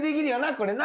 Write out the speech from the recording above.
これな。